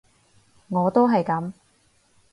我都係噉